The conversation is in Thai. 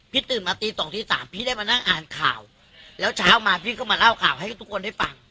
ตื่นมาตีสองตีสามพี่ได้มานั่งอ่านข่าวแล้วเช้ามาพี่ก็มาเล่าข่าวให้ทุกคนได้ฟัง